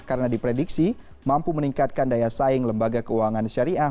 karena diprediksi mampu meningkatkan daya saing lembaga keuangan syariah